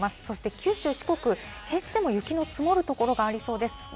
そして九州、四国、平地でも雪の積もる所がありそうです。